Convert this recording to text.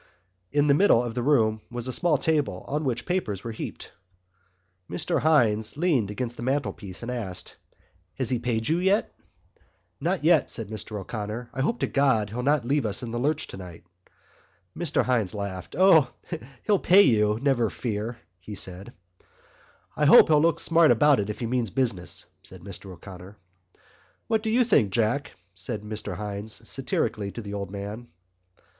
In the middle of the room was a small table on which papers were heaped. Mr Hynes leaned against the mantelpiece and asked: "Has he paid you yet?" "Not yet," said Mr O'Connor. "I hope to God he'll not leave us in the lurch tonight." Mr Hynes laughed. "O, he'll pay you. Never fear," he said. "I hope he'll look smart about it if he means business," said Mr O'Connor. "What do you think, Jack?" said Mr Hynes satirically to the old man.